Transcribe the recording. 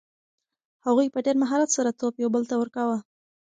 هغوی په ډېر مهارت سره توپ یو بل ته ورکاوه.